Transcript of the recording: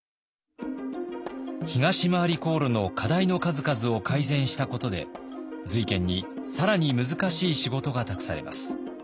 東廻り航路の課題の数々を改善したことで瑞賢に更に難しい仕事が託されます。